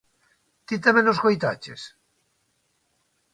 Ti tamén o escoitaches?